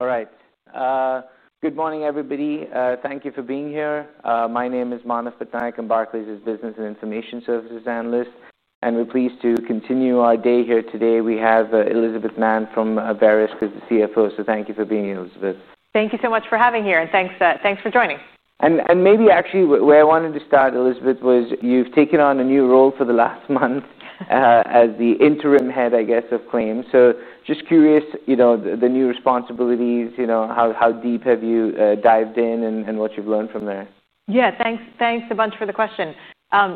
All right. Good morning, everybody. Thank you for being here. My name is Manav Patnaik. I'm Barclays' Business and Information Services Analyst. We're pleased to continue our day here today. We have Elizabeth Mann from Verisk as the CFO. Thank you for being here, Elizabeth. Thank you so much for having me here. Thanks for joining. Maybe actually where I wanted to start, Elizabeth, was you've taken on a new role for the last month as the Interim Head of Claims. Just curious, the new responsibilities, how deep have you dived in and what you've learned from there? Yeah, thanks. Thanks a bunch for the question.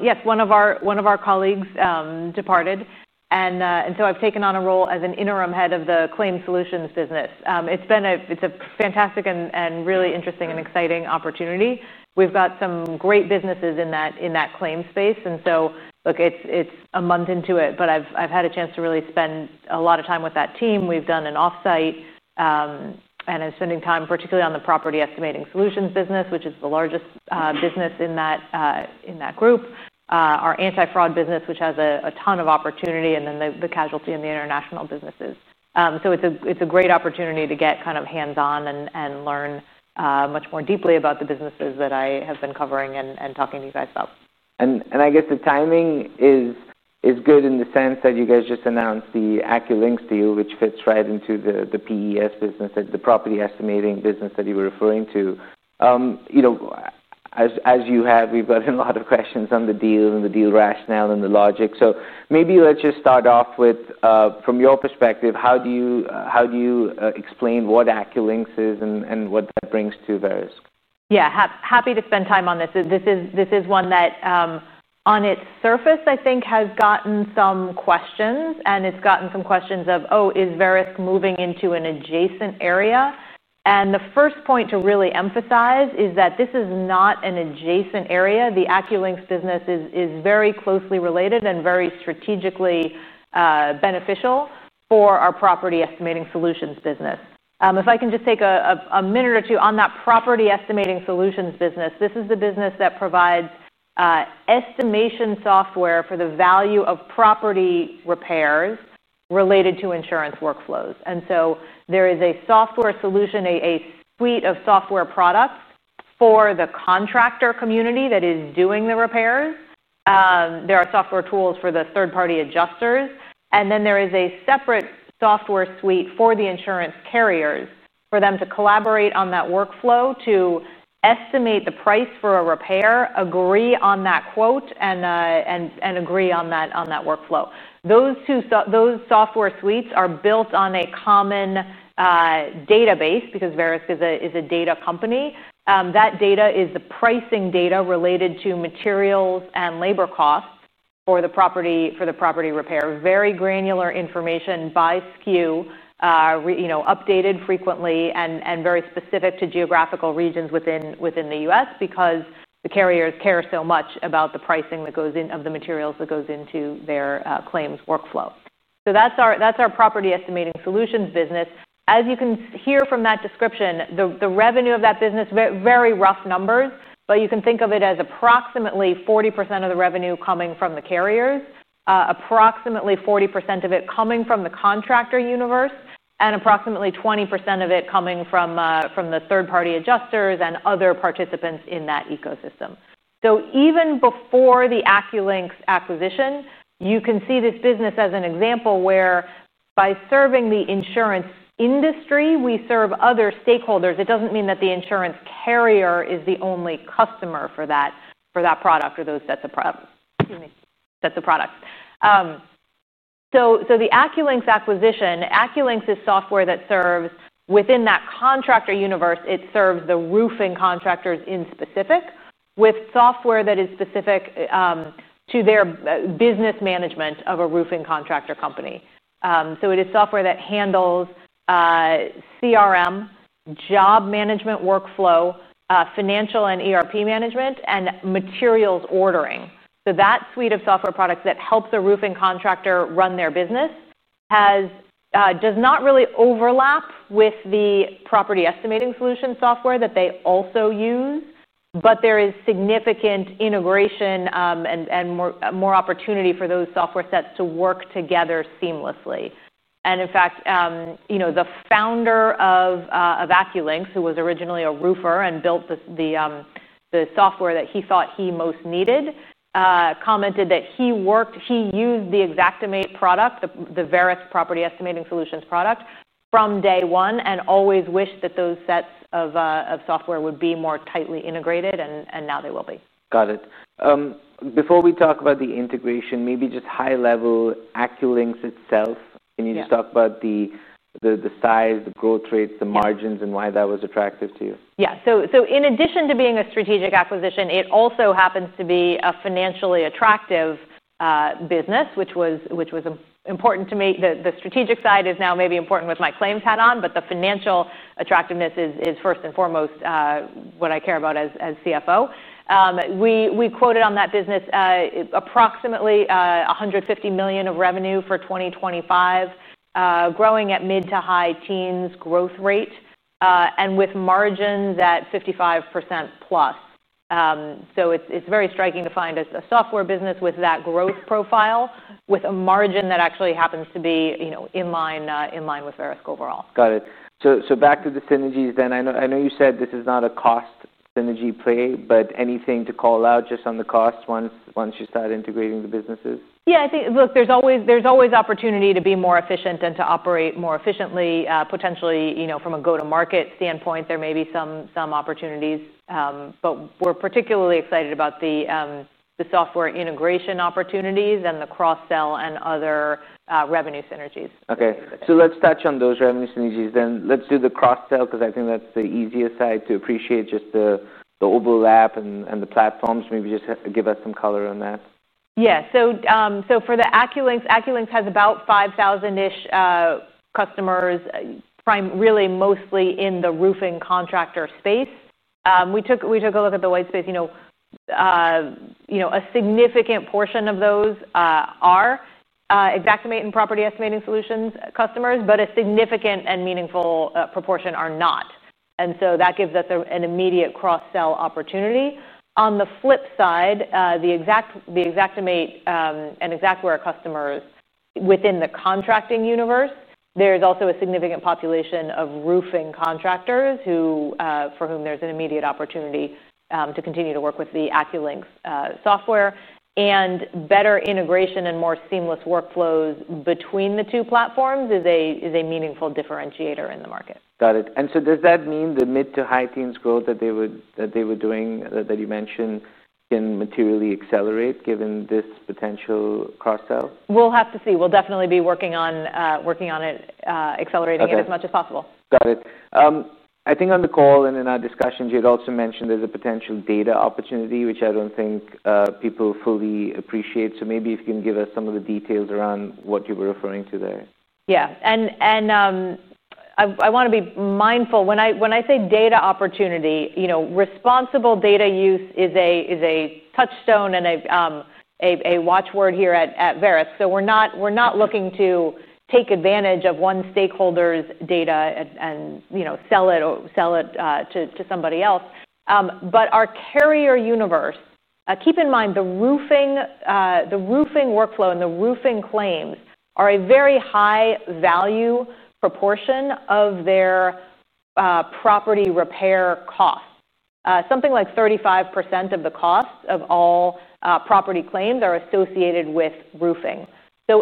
Yes, one of our colleagues departed, and I've taken on a role as Interim Head of the Claims Solutions business. It's been a fantastic and really interesting and exciting opportunity. We've got some great businesses in that claim space. It's a month into it, but I've had a chance to really spend a lot of time with that team. We've done an offsite, and I'm spending time particularly on the Property Estimating Solutions business, which is the largest business in that group, our anti-fraud business, which has a ton of opportunity, and then the casualty and the international businesses. It's a great opportunity to get kind of hands-on and learn much more deeply about the businesses that I have been covering and talking to you guys about. I guess the timing is good in the sense that you guys just announced the AccuLynx deal, which fits right into the PES business, the property estimating business that you were referring to. You know, as you have, we've got a lot of questions on the deal and the deal rationale and the logic. Maybe let's just start off with, from your perspective, how do you explain what AccuLynx is and what that brings to Verisk? Yeah, happy to spend time on this. This is one that, on its surface, I think, has gotten some questions, and it's gotten some questions of, oh, is Verisk moving into an adjacent area? The first point to really emphasize is that this is not an adjacent area. The AccuLynx business is very closely related and very strategically beneficial for our Property Estimating Solutions business. If I can just take a minute or two on that Property Estimating Solutions business, this is the business that provides estimation software for the value of property repairs related to insurance workflows. There is a software solution, a suite of software products for the contractor community that is doing the repairs. There are software tools for the third-party adjusters. There is a separate software suite for the insurance carriers for them to collaborate on that workflow to estimate the price for a repair, agree on that quote, and agree on that workflow. Those software suites are built on a common database because Verisk is a data company. That data is the pricing data related to materials and labor costs for the property repair. Very granular information by SKU, updated frequently and very specific to geographical regions within the U.S. because the carriers care so much about the pricing that goes in, of the materials that goes into their claims workflow. That's our Property Estimating Solutions business. As you can hear from that description, the revenue of that business, very rough numbers, but you can think of it as approximately 40% of the revenue coming from the carriers, approximately 40% of it coming from the contractor universe, and approximately 20% of it coming from the third-party adjusters and other participants in that ecosystem. Even before the AccuLynx acquisition, you can see this business as an example where by serving the insurance industry, we serve other stakeholders. It doesn't mean that the insurance carrier is the only customer for that product or those sets of products. Excuse me, sets of products. The AccuLynx acquisition, AccuLynx is software that serves within that contractor universe. It serves the roofing contractors in specific with software that is specific to their business management of a roofing contractor company. It is software that handles CRM, job management workflow, financial and ERP management, and materials ordering. That suite of software products that helps a roofing contractor run their business does not really overlap with the property estimating solution software that they also use, but there is significant integration and more opportunity for those software sets to work together seamlessly. In fact, the founder of AccuLynx, who was originally a roofer and built the software that he thought he most needed, commented that he used the Xactimate product, the Verisk property estimating solutions product, from day one and always wished that those sets of software would be more tightly integrated, and now they will be. Got it. Before we talk about the integration, maybe just high-level AccuLynx itself. Can you just talk about the size, the growth rates, the margins, and why that was attractive to you? In addition to being a strategic acquisition, it also happens to be a financially attractive business, which was important to me. The strategic side is now maybe important with my Claims hat on, but the financial attractiveness is first and foremost what I care about as CFO. We quoted on that business approximately $150 million of revenue for 2025, growing at mid to high teens growth rate, and with margins at 55% plus. It's very striking to find a software business with that growth profile with a margin that actually happens to be in line with Verisk overall. Got it. Back to the synergies then. I know you said this is not a cost synergy play, but anything to call out just on the cost once you start integrating the businesses? Yeah, I think there's always opportunity to be more efficient and to operate more efficiently. Potentially, from a go-to-market standpoint, there may be some opportunities. We're particularly excited about the software integration opportunities and the cross-sell and other revenue synergies. Okay. Let's touch on those revenue synergies. Let's do the cross-sell because I think that's the easiest side to appreciate, just the overlap and the platforms. Maybe just give us some color on that. Yeah. For the AccuLynx, AccuLynx has about 5,000-ish customers, really mostly in the roofing contractor space. We took a look at the white space, a significant portion of those are Xactimate and Property Estimating Solutions customers, but a significant and meaningful proportion are not. That gives us an immediate cross-sell opportunity. On the flip side, the Xactimate and Xactware customers within the contracting universe, there's also a significant population of roofing contractors for whom there's an immediate opportunity to continue to work with the AccuLynx software. Better integration and more seamless workflows between the two platforms is a meaningful differentiator in the market. Got it. Does that mean the mid to high teens growth that they were doing, that you mentioned, can materially accelerate given this potential cross-sell? We'll definitely be working on it, accelerating it as much as possible. Got it. I think on the call and in our discussions, you'd also mentioned there's a potential data opportunity, which I don't think people fully appreciate. Maybe if you can give us some of the details around what you were referring to there. Yeah. I want to be mindful when I say data opportunity, you know, responsible data use is a touchstone and a watchword here at Verisk. We're not looking to take advantage of one stakeholder's data and, you know, sell it to somebody else. Our carrier universe, keep in mind the roofing workflow and the roofing claims are a very high value proportion of their property repair costs. Something like 35% of the cost of all property claims are associated with roofing.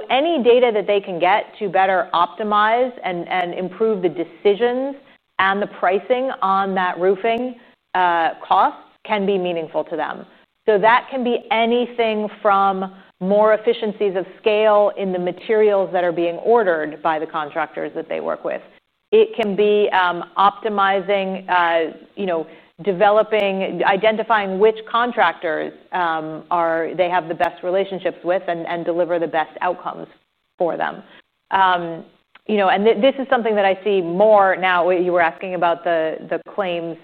Any data that they can get to better optimize and improve the decisions and the pricing on that roofing cost can be meaningful to them. That can be anything from more efficiencies of scale in the materials that are being ordered by the contractors that they work with. It can be optimizing, you know, developing, identifying which contractors they have the best relationships with and deliver the best outcomes for them. This is something that I see more now. You were asking about the claims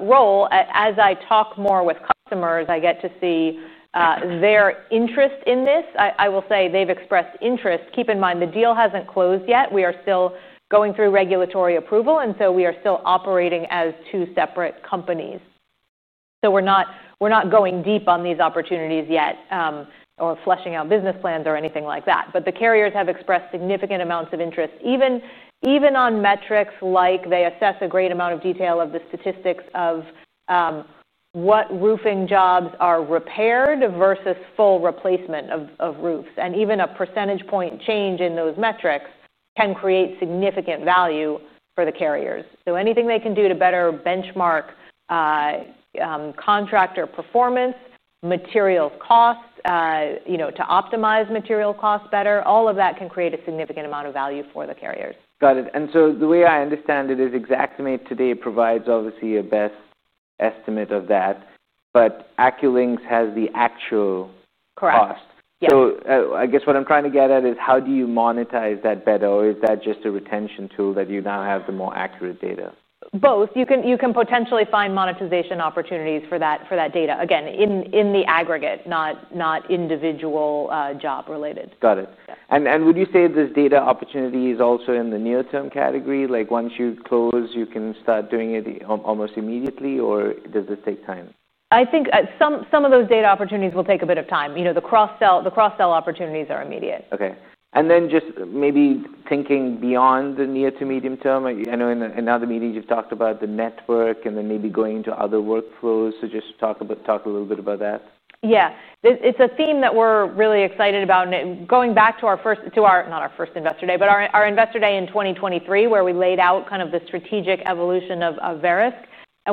role. As I talk more with customers, I get to see their interest in this. I will say they've expressed interest. Keep in mind the deal hasn't closed yet. We are still going through regulatory approval, and we are still operating as two separate companies. We're not going deep on these opportunities yet or fleshing out business plans or anything like that. The carriers have expressed significant amounts of interest, even on metrics like they assess a great amount of detail of the statistics of what roofing jobs are repaired versus full replacement of roofs. Even a percentage point change in those metrics can create significant value for the carriers. Anything they can do to better benchmark contractor performance, materials cost, you know, to optimize material costs better, all of that can create a significant amount of value for the carriers. Got it. The way I understand it is Xactimate today provides obviously a best estimate of that, but AccuLynx has the actual. Correct. Cost. Yes. I guess what I'm trying to get at is how do you monetize that better? Is that just a retention tool that you now have the more accurate data? You can potentially find monetization opportunities for that data, again, in the aggregate, not individual, job related. Got it. Yeah. Would you say this data opportunity is also in the near-term category? Like once you close, you can start doing it almost immediately? Or does it take time? I think some of those data opportunities will take a bit of time. You know, the cross-sell opportunities are immediate. Okay. Maybe thinking beyond the near to medium term, I know in other meetings you've talked about the network and then maybe going into other workflows. Just talk about, talk a little bit about that. Yeah. It's a theme that we're really excited about. Going back to our investor day in 2023, where we laid out kind of the strategic evolution of Verisk,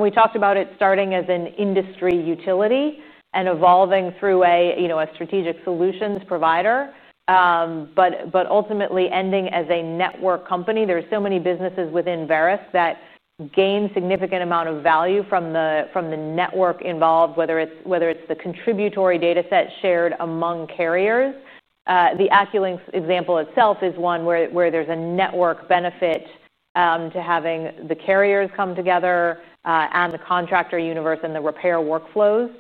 we talked about it starting as an industry utility and evolving through a strategic solutions provider, but ultimately ending as a network company. There are so many businesses within Verisk that gain a significant amount of value from the network involved, whether it's the contributory data set shared among carriers. The AccuLynx example itself is one where there's a network benefit to having the carriers come together, and the contractor universe and the repair workflows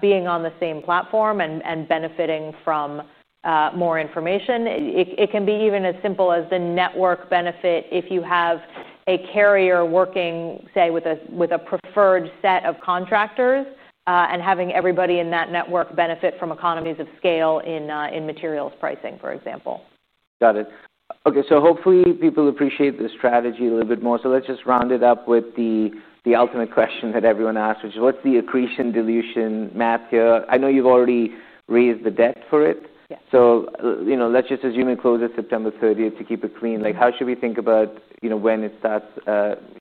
being on the same platform and benefiting from more information. It can be even as simple as the network benefit if you have a carrier working, say, with a preferred set of contractors, and having everybody in that network benefit from economies of scale in materials pricing, for example. Got it. Okay. Hopefully people appreciate the strategy a little bit more. Let's just round it up with the ultimate question that everyone asks, which is what's the accretion dilution math here? I know you've already raised the debt for it. Yeah. Let's just assume it closes September 30th to keep it clean. How should we think about when it starts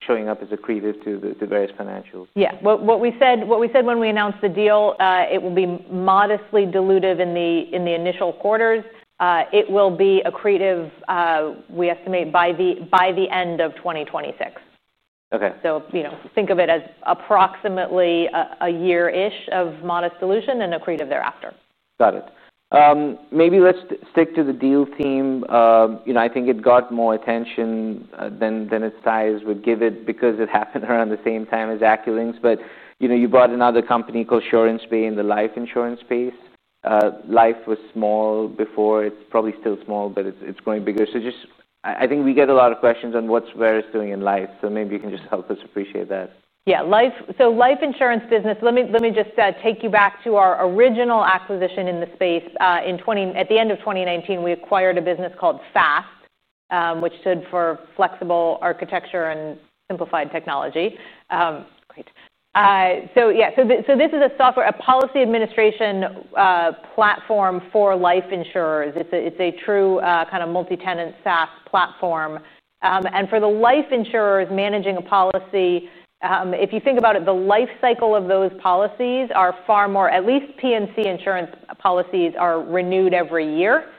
showing up as accretive to the various financials? What we said when we announced the deal, it will be modestly dilutive in the initial quarters. It will be accretive, we estimate by the end of 2026. Okay. Think of it as approximately a year-ish of modest dilution and accretive thereafter. Got it. Maybe let's stick to the deal theme. I think it got more attention than its size would give it because it happened around the same time as AccuLynx. You brought another company called SuranceBay in the life insurance space. Life was small before. It's probably still small, but it's growing bigger. I think we get a lot of questions on what's Verisk doing in life. Maybe you can just help us appreciate that. Life, so life insurance business, let me just take you back to our original acquisition in the space. In 2019, we acquired a business called FAST, which stood for Flexible Architecture and Simplified Technology. Great. This is a software, a policy administration platform for life insurers. It's a true, kind of multi-tenant SaaS platform. For the life insurers managing a policy, if you think about it, the lifecycle of those policies are far more, at least P&C insurance policies are renewed every year.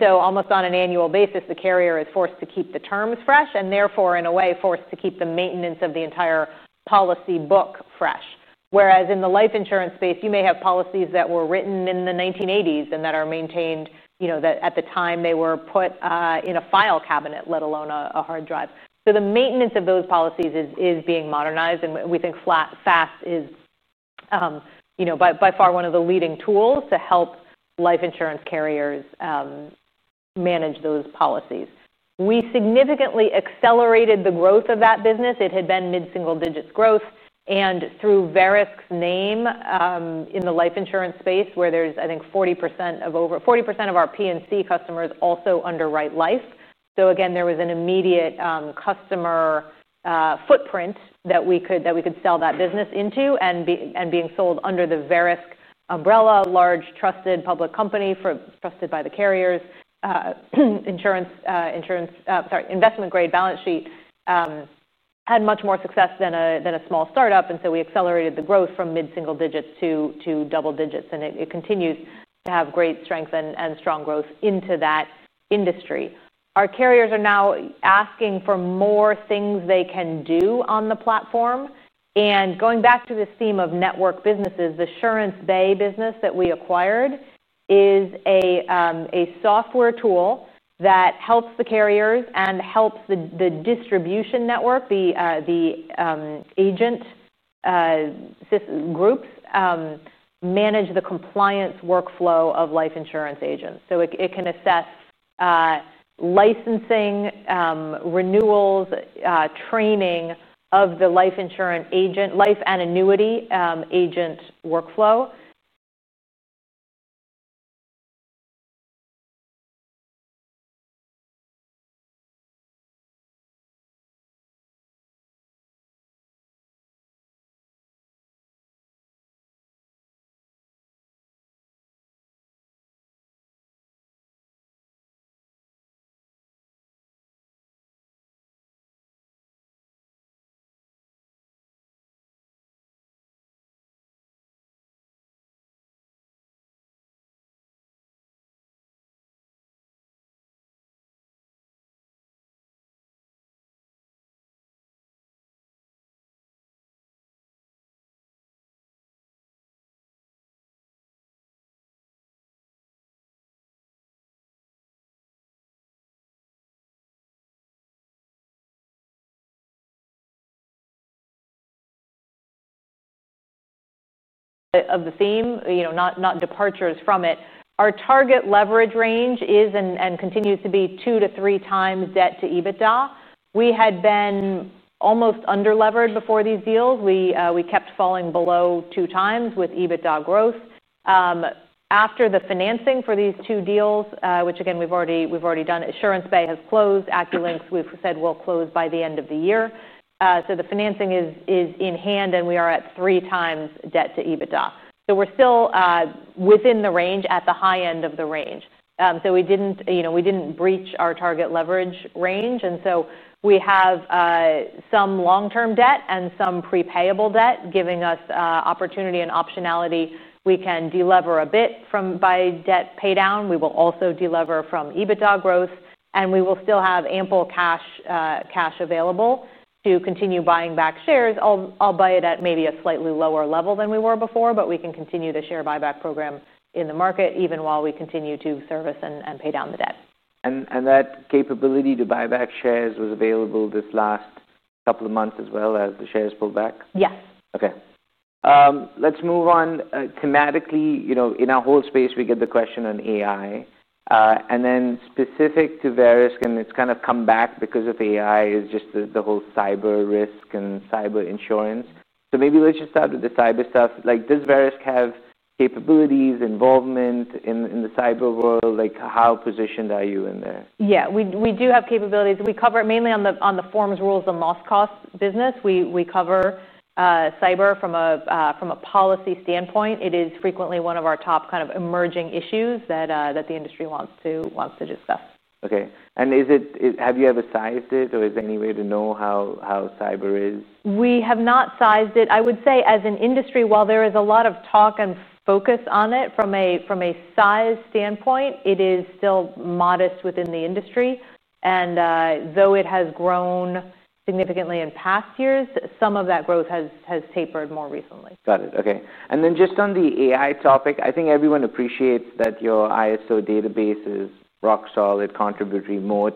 Almost on an annual basis, the carrier is forced to keep the terms fresh and therefore, in a way, forced to keep the maintenance of the entire policy book fresh. Whereas in the life insurance space, you may have policies that were written in the 1980s and that are maintained, you know, at the time they were put in a file cabinet, let alone a hard drive. The maintenance of those policies is being modernized. We think FAST is by far one of the leading tools to help life insurance carriers manage those policies. We significantly accelerated the growth of that business. It had been mid-single digits growth. Through Verisk's name in the life insurance space, where there's, I think, over 40% of our P&C customers also underwrite life. There was an immediate customer footprint that we could sell that business into, and being sold under the Verisk umbrella, large trusted public company trusted by the carriers, insurance, investment grade balance sheet, had much more success than a small startup. We accelerated the growth from mid-single digits to double digits. It continues to have great strength and strong growth into that industry. Our carriers are now asking for more things they can do on the platform. Going back to this theme of network businesses, the SuranceBay business that we acquired is a software tool that helps the carriers and helps the distribution network, the agent groups, manage the compliance workflow of life insurance agents. It can assess licensing, renewals, training of the life insurance agent, life and annuity agent workflow. Of the theme, not departures from it. Our target leverage range is and continues to be two to three times debt to EBITDA. We had been almost under-leveraged before these deals. We kept falling below two times with EBITDA growth. After the financing for these two deals, which again, we've already done, Surety Bay has closed. AccuLynx, we've said we'll close by the end of the year. The financing is in hand and we are at three times debt to EBITDA. We're still within the range at the high end of the range. We didn't breach our target leverage range. We have some long-term debt and some prepayable debt, giving us opportunity and optionality. We can de-lever a bit from debt paydown. We will also de-lever from EBITDA growth. We will still have ample cash available to continue buying back shares. I'll buy it at maybe a slightly lower level than we were before, but we can continue the share buyback program in the market even while we continue to service and pay down the debt. That capability to buy back shares was available this last couple of months as well as the shares pulled back? Yes. Okay. Let's move on, thematically. You know, in our whole space, we get the question on AI, and then specific to Verisk, and it's kind of come back because of AI is just the whole cyber risk and cyber insurance. Maybe let's just start with the cyber stuff. Like, does Verisk have capabilities, involvement in the cyber world? Like, how positioned are you in there? Yeah, we do have capabilities. We cover it mainly on the forms, rules, and loss cost business. We cover cyber from a policy standpoint. It is frequently one of our top kind of emerging issues that the industry wants to discuss. Okay. Have you ever sized it or is there any way to know how cyber is? We have not sized it. I would say as an industry, while there is a lot of talk and focus on it from a size standpoint, it is still modest within the industry. Though it has grown significantly in past years, some of that growth has tapered more recently. Got it. Okay. On the AI topic, I think everyone appreciates that your ISO database is rock solid contributory mode.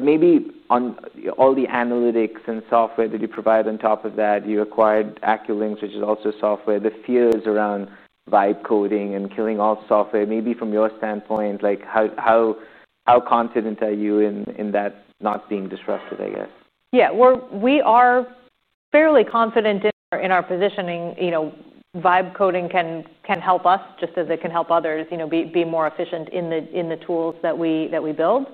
Maybe on all the analytics and software that you provide on top of that, you acquired AccuLynx, which is also software. The fears around vibe coding and killing all software, maybe from your standpoint, how confident are you in that not being disrupted, I guess? Yeah, we are fairly confident in our positioning. Vibe coding can help us just as it can help others be more efficient in the tools that we build.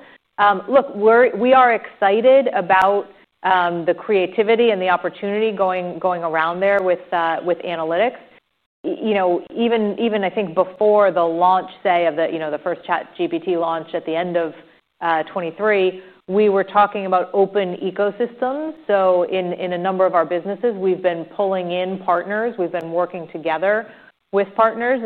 We are excited about the creativity and the opportunity going around there with analytics. Even before the launch, say, of the first ChatGPT launch at the end of 2023, we were talking about open ecosystems. In a number of our businesses, we've been pulling in partners. We've been working together with partners.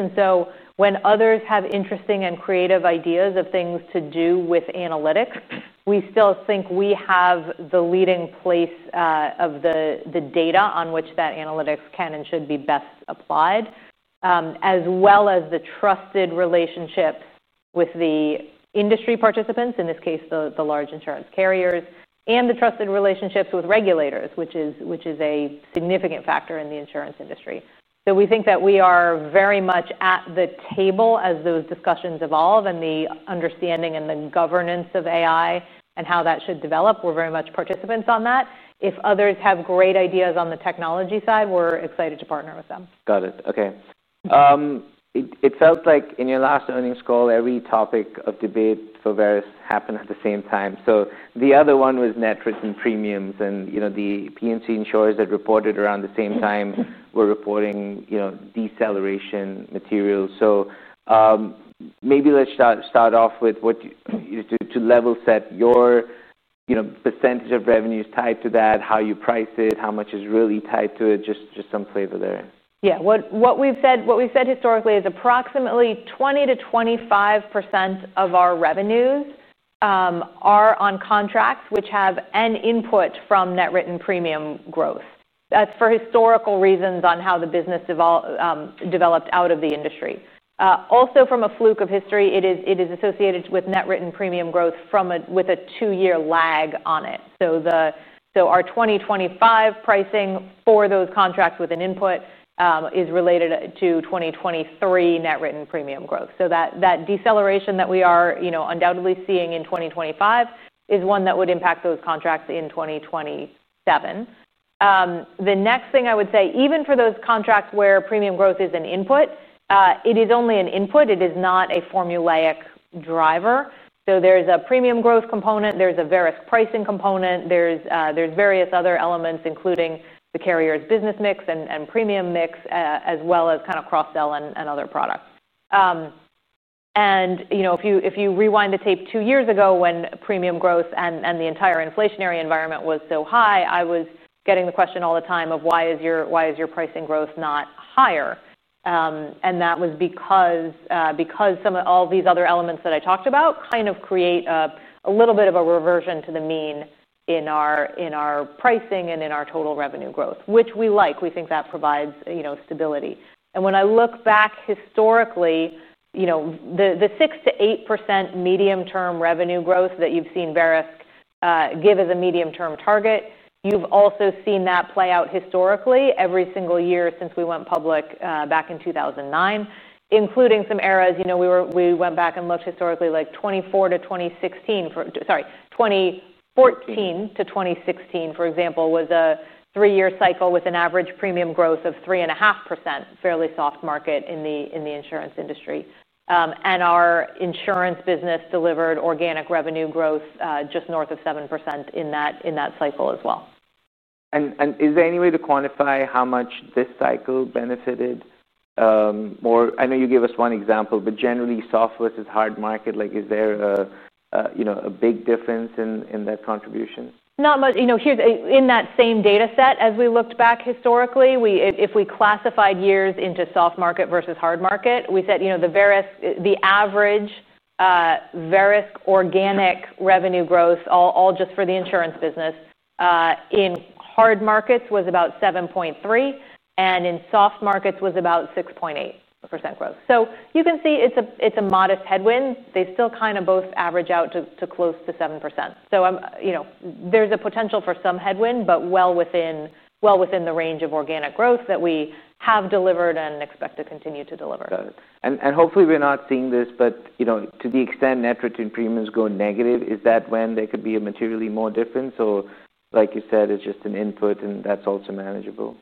When others have interesting and creative ideas of things to do with analytics, we still think we have the leading place, the data on which that analytics can and should be best applied, as well as the trusted relationships with the industry participants, in this case, the large insurance carriers, and the trusted relationships with regulators, which is a significant factor in the insurance industry. We think that we are very much at the table as those discussions evolve and the understanding and the governance of AI and how that should develop. We're very much participants on that. If others have great ideas on the technology side, we're excited to partner with them. Got it. Okay. It felt like in your last earnings call, every topic of debate for Verisk happened at the same time. The other one was Netflix and premiums. The P&C insurers that reported around the same time were reporting deceleration materials. Maybe let's start off with what you, to level set your percentage of revenues tied to that, how you price it, how much is really tied to it, just some flavor there. Yeah. What we've said historically is approximately 20%-25% of our revenues are on contracts which have an input from net written premium growth. That's for historical reasons on how the business developed out of the industry. Also, from a fluke of history, it is associated with net written premium growth with a two-year lag on it. Our 2025 pricing for those contracts with an input is related to 2023 net written premium growth. That deceleration that we are undoubtedly seeing in 2025 is one that would impact those contracts in 2027. The next thing I would say, even for those contracts where premium growth is an input, it is only an input. It is not a formulaic driver. There's a premium growth component, there's a Verisk pricing component, and there are various other elements, including the carrier's business mix and premium mix, as well as kind of cross-sell and other products. If you rewind the tape two years ago when premium growth and the entire inflationary environment was so high, I was getting the question all the time of why is your pricing growth not higher? That was because some of all these other elements that I talked about kind of create a little bit of a reversion to the mean in our pricing and in our total revenue growth, which we like. We think that provides stability. When I look back historically, the 6%-8% medium-term revenue growth that you've seen Verisk give as a medium-term target, you've also seen that play out historically every single year since we went public back in 2009, including some eras. We went back and looked historically, like 2014 to 2016, for example, was a three-year cycle with an average premium growth of 3.5%, fairly soft market in the insurance industry, and our insurance business delivered organic revenue growth just north of 7% in that cycle as well. Is there any way to quantify how much this cycle benefited more? I know you gave us one example, but generally soft versus hard market, like is there a big difference in that contribution? Not much. You know, here's in that same data set, as we looked back historically, if we classified years into soft market versus hard market, we said, you know, the Verisk, the average Verisk organic revenue growth, all just for the insurance business, in hard markets was about 7.3%. In soft markets was about 6.8% growth. You can see it's a modest headwind. They still kind of both average out to close to 7%. I'm, you know, there's a potential for some headwind, but well within the range of organic growth that we have delivered and expect to continue to deliver. Got it. Hopefully we're not seeing this, but to the extent net written premiums go negative, is that when there could be a materially more difference? Or like you said, it's just an input and that's also manageable.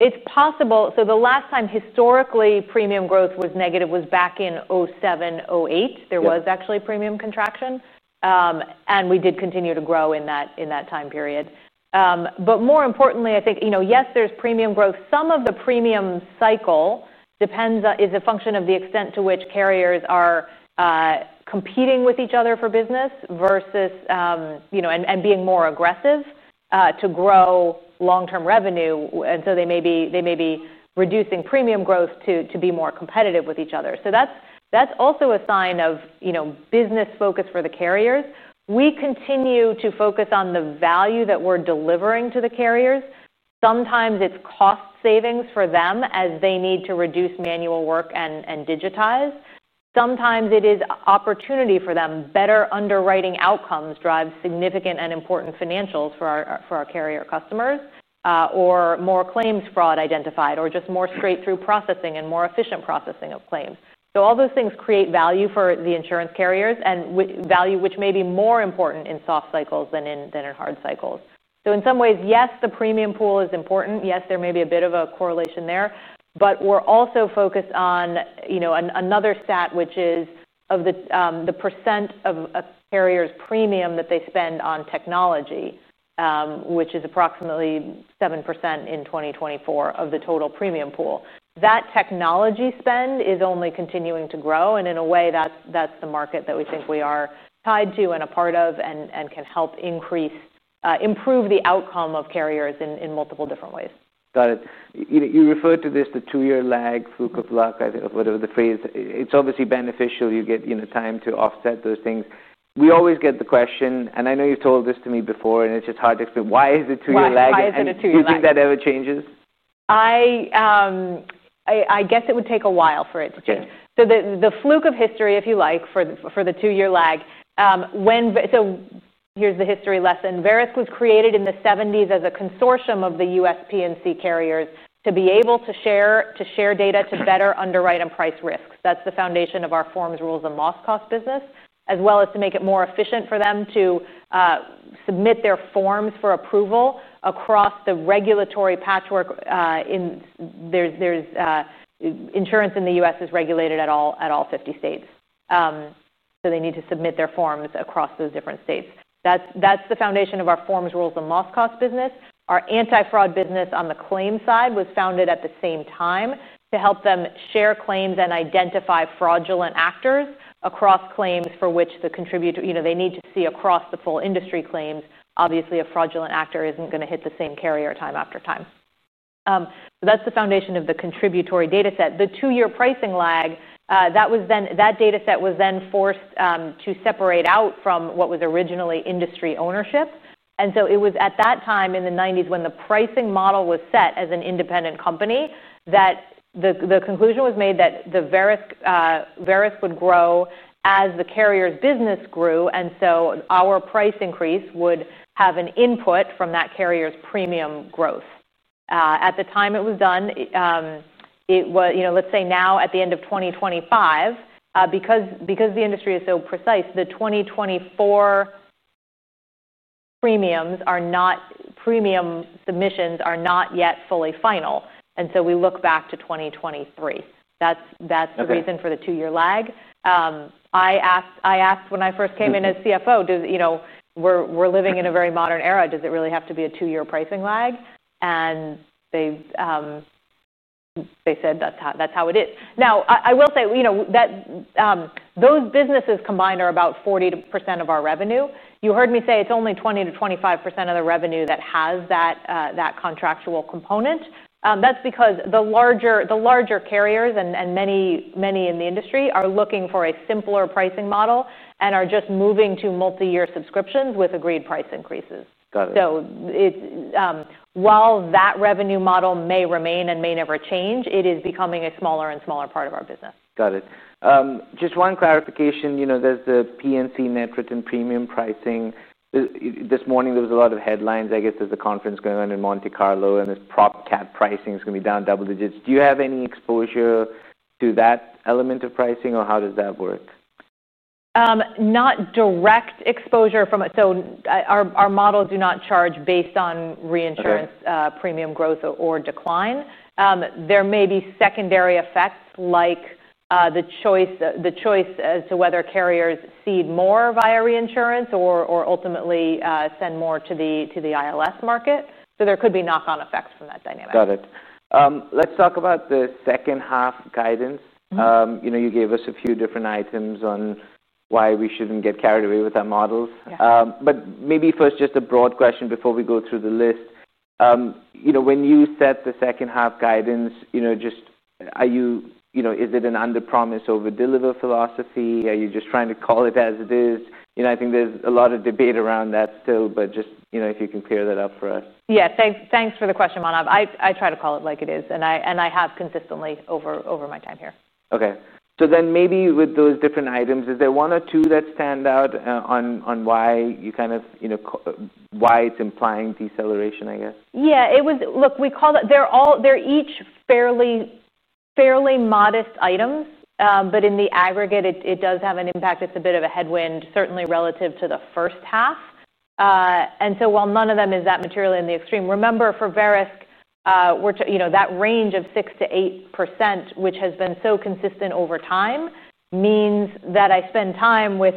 It's possible. The last time historically premium growth was negative was back in 2007, 2008. There was actually a premium contraction. We did continue to grow in that time period. More importantly, I think, yes, there's premium growth. Some of the premium cycle depends on, is a function of the extent to which carriers are competing with each other for business versus being more aggressive to grow long-term revenue. They may be reducing premium growth to be more competitive with each other. That's also a sign of business focus for the carriers. We continue to focus on the value that we're delivering to the carriers. Sometimes it's cost savings for them as they need to reduce manual work and digitize. Sometimes it is opportunity for them. Better underwriting outcomes drive significant and important financials for our carrier customers, or more claims fraud identified, or just more straight-through processing and more efficient processing of claims. All those things create value for the insurance carriers and value which may be more important in soft cycles than in hard cycles. In some ways, yes, the premium pool is important. Yes, there may be a bit of a correlation there. We're also focused on another stat, which is the percent of a carrier's premium that they spend on technology, which is approximately 7% in 2024 of the total premium pool. That technology spend is only continuing to grow. In a way, that's the market that we think we are tied to and a part of and can help increase, improve the outcome of carriers in multiple different ways. Got it. You referred to this, the two-year lag, fluke of luck, I think, whatever the phrase. It's obviously beneficial. You get time to offset those things. We always get the question, and I know you've told this to me before, and it's just hard to explain. Why is it two years? Why is it a two-year lag? Do you think that ever changes? I guess it would take a while for it to change. Okay. The fluke of history, if you like, for the two-year lag, when, here's the history lesson. Verisk was created in the 1970s as a consortium of the U.S. P&C carriers to be able to share data to better underwrite and price risks. That's the foundation of our forms, rules, and loss cost business, as well as to make it more efficient for them to submit their forms for approval across the regulatory patchwork. Insurance in the U.S. is regulated at all 50 states, so they need to submit their forms across those different states. That's the foundation of our forms, rules, and loss cost business. Our anti-fraud business on the claim side was founded at the same time to help them share claims and identify fraudulent actors across claims for which the contributor, you know, they need to see across the full industry claims. Obviously, a fraudulent actor isn't going to hit the same carrier time after time. That's the foundation of the contributory data set. The two-year pricing lag, that data set was then forced to separate out from what was originally industry ownership. It was at that time in the 1990s when the pricing model was set as an independent company that the conclusion was made that Verisk Analytics would grow as the carrier's business grew, and so our price increase would have an input from that carrier's premium growth. At the time it was done, it was, you know, let's say now at the end of 2025, because the industry is so precise, the 2024 premiums are not, premium submissions are not yet fully final. We look back to 2023. That's the reason for the two-year lag. I asked when I first came in as CFO, does, you know, we're living in a very modern era. Does it really have to be a two-year pricing lag? They said that's how it is. Now, I will say, those businesses combined are about 40% of our revenue. You heard me say it's only 20%-25% of the revenue that has that contractual component. That's because the larger carriers and many in the industry are looking for a simpler pricing model and are just moving to multi-year subscriptions with agreed price increases. Got it. While that revenue model may remain and may never change, it is becoming a smaller and smaller part of our business. Got it. Just one clarification, you know, there's the P&C net written premium pricing. This morning there was a lot of headlines, I guess there's a conference going on in Monte Carlo, and this prop cat pricing is going to be down double digits. Do you have any exposure to that element of pricing or how does that work? Not direct exposure from, our model does not charge based on reinsurance premium growth or decline. There may be secondary effects, like the choice as to whether carriers cede more via reinsurance or ultimately send more to the ILS market. There could be knock-on effects from that dynamic. Got it. Let's talk about the second half guidance. You gave us a few different items on why we shouldn't get carried away with that model. Yeah. Maybe first, just a broad question before we go through the list. When you set the second half guidance, is it an under-promise over-deliver philosophy? Are you just trying to call it as it is? I think there's a lot of debate around that still, but if you can clear that up for us. Yeah, thanks for the question, Manav. I try to call it like it is, and I have consistently over my time here. Okay. With those different items, is there one or two that stand out on why you kind of, you know, why it's implying deceleration, I guess? Yeah, we call that, they're all, they're each fairly, fairly modest items, but in the aggregate, it does have an impact. It's a bit of a headwind, certainly relative to the first half. While none of them is that material in the extreme, remember for Verisk, we're, you know, that range of 6%-8%, which has been so consistent over time, means that I spend time with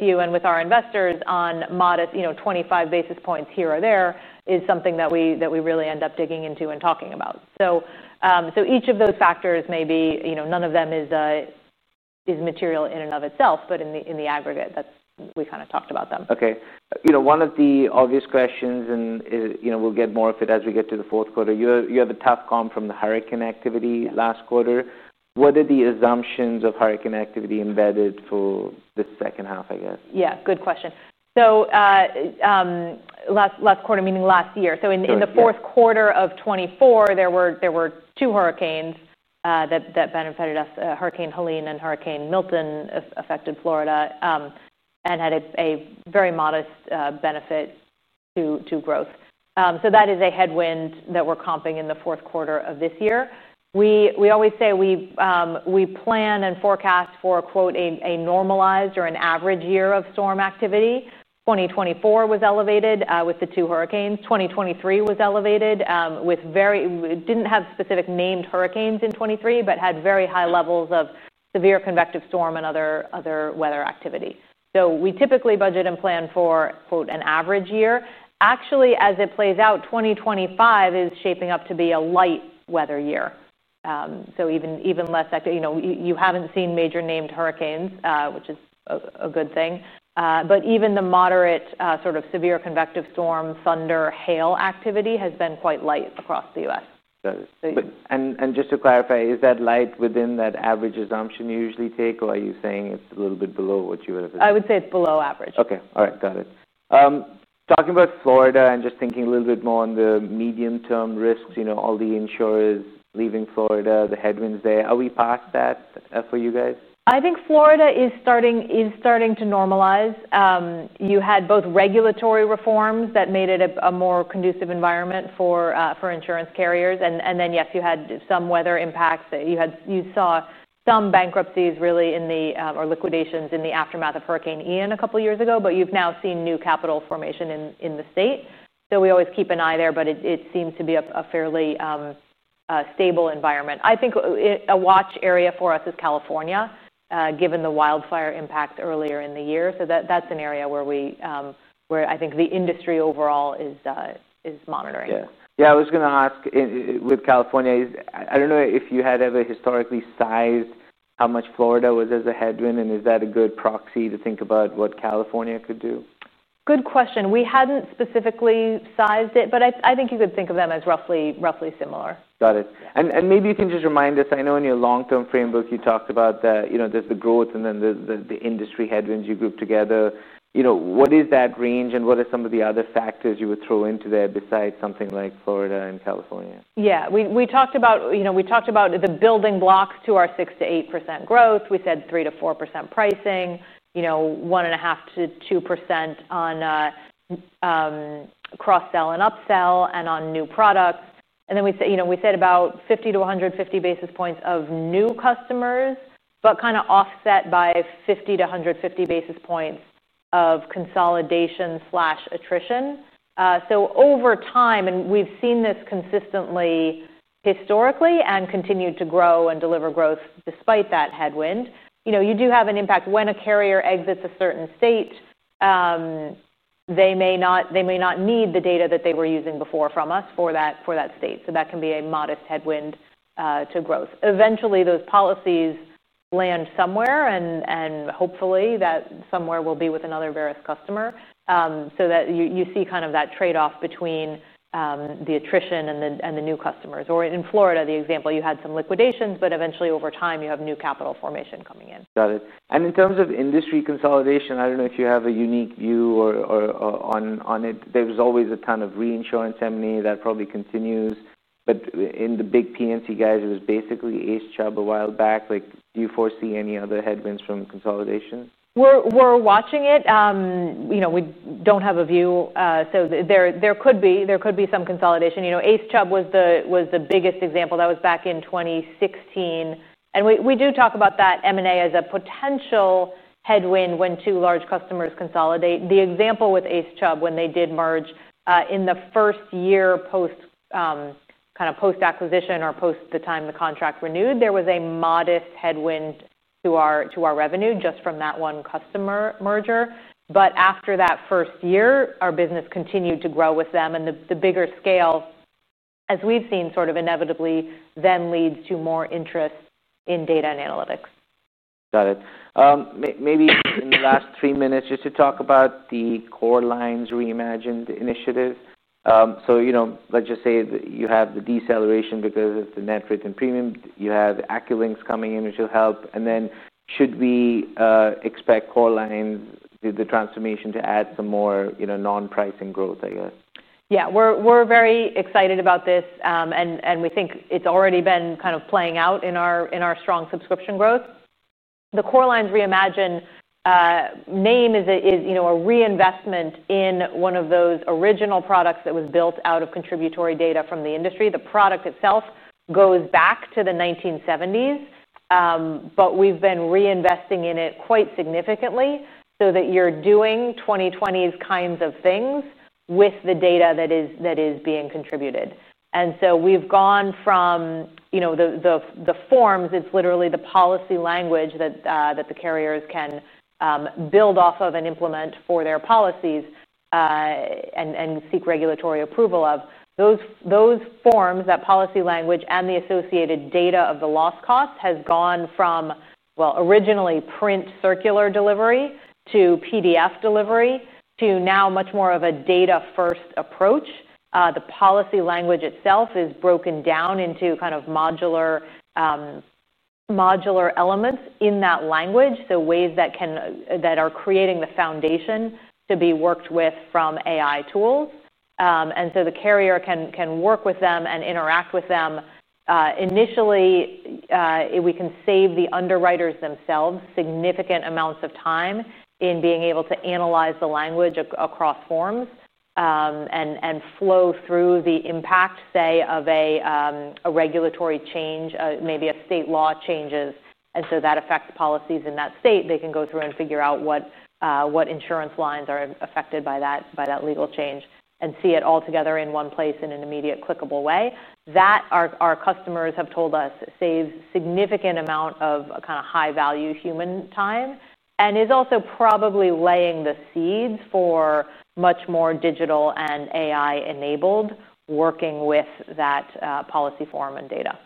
you and with our investors on modest, you know, 25 basis points here or there is something that we really end up digging into and talking about. Each of those factors may be, you know, none of them is material in and of itself, but in the aggregate, that's, we kind of talked about them. Okay. One of the obvious questions, and we'll get more of it as we get to the fourth quarter, you have a tough call from the hurricane activity last quarter. What are the assumptions of hurricane activity embedded for the second half, I guess? Good question. Last quarter, meaning last year, in the fourth quarter of 2024, there were two hurricanes that benefited us. Hurricane Helene and Hurricane Milton affected Florida and had a very modest benefit to growth. That is a headwind that we're comping in the fourth quarter of this year. We always say we plan and forecast for, quote, a normalized or an average year of storm activity. 2024 was elevated with the two hurricanes. 2023 was elevated, didn't have specific named hurricanes in 2023, but had very high levels of severe convective storm and other weather activity. We typically budget and plan for, quote, an average year. Actually, as it plays out, 2025 is shaping up to be a light weather year. Even less, you know, you haven't seen major named hurricanes, which is a good thing. Even the moderate, sort of severe convective storm, thunder, hail activity has been quite light across the U.S. Got it. Just to clarify, is that light within that average assumption you usually take, or are you saying it's a little bit below what you would have? I would say it's below average. Okay. All right. Got it. Talking about Florida and just thinking a little bit more on the medium-term risks, you know, all the insurers leaving Florida, the headwinds there. Are we past that for you guys? I think Florida is starting to normalize. You had both regulatory reforms that made it a more conducive environment for insurance carriers. Yes, you had some weather impacts; you saw some bankruptcies or liquidations in the aftermath of Hurricane Ian a couple of years ago, but you've now seen new capital formation in the state. We always keep an eye there, but it seemed to be a fairly stable environment. I think a watch area for us is California, given the wildfire impacts earlier in the year. That's an area where I think the industry overall is monitoring. Yeah, I was going to ask with California. I don't know if you had ever historically sized how much Florida was as a headwind, and is that a good proxy to think about what California could do? Good question. We hadn't specifically sized it, but I think you could think of them as roughly similar. Got it. Maybe you can just remind us, I know in your long-term framework you talked about that, you know, there's the growth and then the industry headwinds you group together. What is that range and what are some of the other factors you would throw into there besides something like Florida and California? Yeah, we talked about the building blocks to our 6%-8% growth. We said 3%-4% pricing, 1.5%-2% on cross-sell and upsell and on new products. We said about 50-150 basis points of new customers, but kind of offset by 50-150 basis points of consolidation slash attrition. Over time, we've seen this consistently historically and continued to grow and deliver growth despite that headwind. You do have an impact when a carrier exits a certain state. They may not need the data that they were using before from us for that state. That can be a modest headwind to growth. Eventually, those policies land somewhere, and hopefully that somewhere will be with another Verisk customer. You see that trade-off between the attrition and the new customers. In Florida, the example, you had some liquidations, but eventually over time you have new capital formation coming in. Got it. In terms of industry consolidation, I don't know if you have a unique view on it. There was always a ton of reinsurance M&A that probably continues. In the big P&C guys, it was basically ACE Chubb a while back. Do you foresee any other headwinds from consolidation? We're watching it. You know, we don't have a view. There could be some consolidation. You know, ACE Chubb was the biggest example. That was back in 2016. We do talk about that M&A as a potential headwind when two large customers consolidate. The example with ACE Chubb when they did merge, in the first year post, kind of post-acquisition or post the time the contract renewed, there was a modest headwind to our revenue just from that one customer merger. After that first year, our business continued to grow with them and the bigger scale, as we've seen sort of inevitably, then leads to more interest in data and analytics. Got it. Maybe in the last three minutes, just to talk about the Core Lines Reimagine Initiative. You have the deceleration because of the net written premium. You have AccuLynx coming in, which will help. Should we expect Core Lines, the transformation, to add some more non-pricing growth, I guess. Yeah, we're very excited about this, and we think it's already been kind of playing out in our strong subscription growth. The Core Lines Reimagine name is, you know, a reinvestment in one of those original products that was built out of contributory data from the industry. The product itself goes back to the 1970s, but we've been reinvesting in it quite significantly so that you're doing 2020's kinds of things with the data that is being contributed. We've gone from the forms, it's literally the policy language that the carriers can build off of and implement for their policies, and seek regulatory approval of. Those forms, that policy language and the associated data of the loss cost has gone from, originally print circular delivery to PDF delivery to now much more of a data-first approach. The policy language itself is broken down into kind of modular elements in that language, so ways that are creating the foundation to be worked with from AI tools. The carrier can work with them and interact with them. Initially, we can save the underwriters themselves significant amounts of time in being able to analyze the language across forms and flow through the impact, say, of a regulatory change, maybe a state law changes. That affects policies in that state. They can go through and figure out what insurance lines are affected by that legal change and see it all together in one place in an immediate clickable way. Our customers have told us this saves a significant amount of kind of high-value human time and is also probably laying the seeds for much more digital and AI-enabled working with that policy form and data.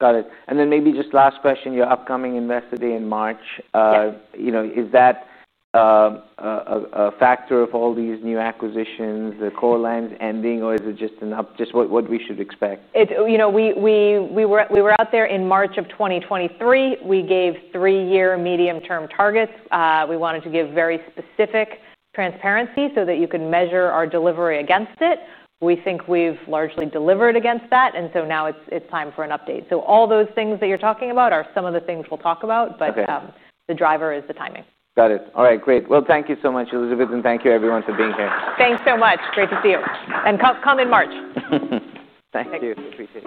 Got it. Maybe just last question, your upcoming investor day in March. Is that a factor of all these new acquisitions, the Core Lines ending, or is it just enough, just what we should expect? We were out there in March of 2023. We gave three-year medium-term targets. We wanted to give very specific transparency so that you can measure our delivery against it. We think we've largely delivered against that. It is time for an update. All those things that you're talking about are some of the things we'll talk about, but the driver is the timing. Got it. All right. Great. Thank you so much, Elizabeth, and thank you everyone for being here. Thanks so much. Great to see you. Come in March. Thank you. Appreciate it.